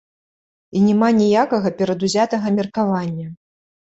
І няма ніякага перадузятага меркавання.